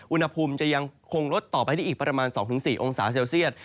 อุณหภูมิจะยังคงลดต่อไปได้อีกประมาณ๒๔องศาเซลเซียต